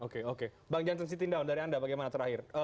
oke oke bang jansen sitindaun dari anda bagaimana terakhir